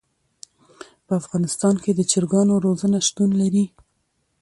په افغانستان کې د چرګانو روزنه شتون لري.